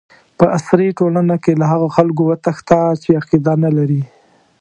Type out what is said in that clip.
په عصري ټولنه کې له هغو خلکو وتښته چې عقیده نه لري.